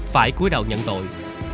phải cuối đầu nhận tội